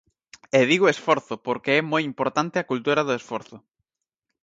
E digo esforzo porque é moi importante a cultura do esforzo.